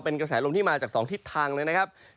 เป็นกระแสลมที่มาจาก๒ทิศทางเลยนะครับ